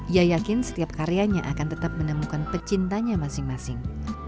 ia yakin setiap karyanya akan tetap menemukan pecintanya masing masing